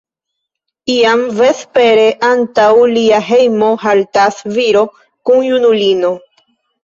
Iam vespere, antaŭ lia hejmo haltas viro kun junulino.